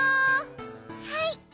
はい。